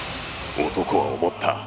男は思った。